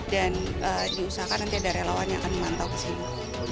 dan diusahakan nanti ada relawan yang akan memantau kesini